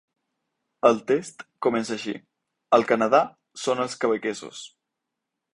El text comença així: Al Canadà són els quebequesos.